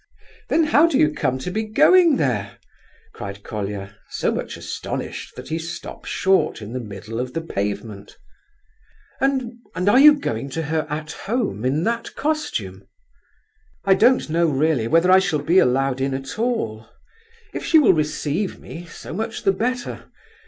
"Then how do you come to be going there?" cried Colia, so much astonished that he stopped short in the middle of the pavement. "And... and are you going to her 'At Home' in that costume?" "I don't know, really, whether I shall be allowed in at all. If she will receive me, so much the better.